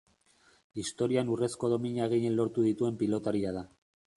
Historian urrezko domina gehien lortu dituen pilotaria da.